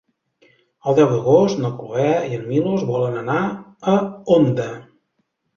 El deu d'agost na Cloè i en Milos volen anar a Onda.